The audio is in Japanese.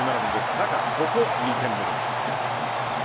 サカ、２点目です。